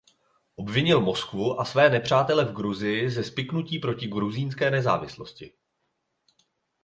Obvinil Moskvu a své nepřátele v Gruzii ze spiknutí proti gruzínské nezávislosti.